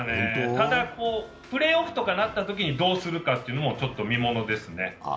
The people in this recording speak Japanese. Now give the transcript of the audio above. ただ、プレーオフとかになったときにどうするのかもちょっと見ものですね。